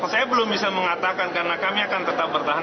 saya belum bisa mengatakan karena kami akan tetap bertahan